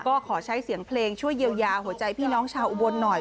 ก็ขอใช้เสียงเพลงช่วยเยียวยาหัวใจพี่น้องชาวอุบลหน่อย